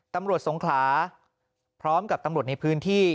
สงขลาพร้อมกับตำรวจในพื้นที่